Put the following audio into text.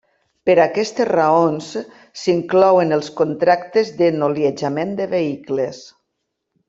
Per aquestes raons s'inclou en els contractes de noliejament de vehicles.